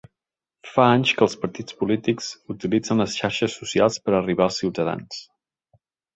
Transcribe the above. Fa anys que els partits polítics utilitzen les xarxes socials per arribar als ciutadans.